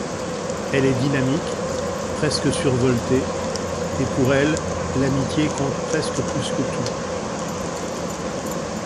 Elle est dynamique, presque survoltée, et pour elle, l'amitié compte presque plus que tout.